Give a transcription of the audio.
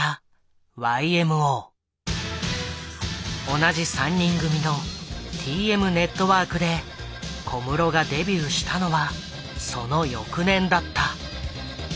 同じ３人組のＴＭＮＥＴＷＯＲＫで小室がデビューしたのはその翌年だった。